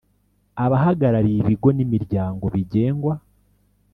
abahagarariye ibigo n imiryango bigengwa